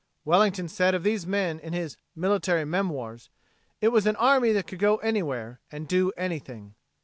Wellington said of these men in his "Military Memoirs": "It was an army that could go anywhere and do anything."